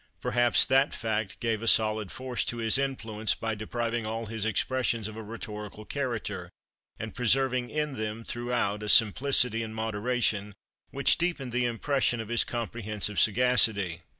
Perhaps that fact gave a solid force to his influence by depriving all his expressions of a rhetorical character, and preserving in them throughout a simplicity and moderation which deepened the impression of his comprehensive sagacity.